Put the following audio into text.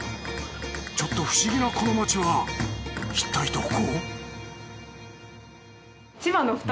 ちょっと不思議なこの街はいったいどこ？